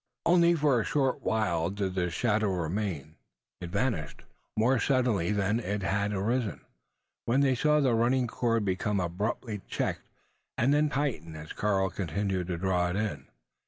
Only for a short while did this shadow remain. It vanished, more suddenly than it had arisen: when they saw the running cord become abruptly checked, and then tighten as Karl continued to draw it in.